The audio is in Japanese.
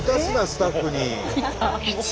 スタッフに。